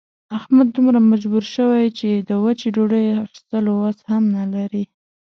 احمد دومره مجبور شوی چې د وچې ډوډۍ اخستلو وس هم نه لري.